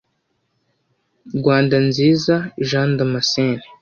rwandanziza jean damascène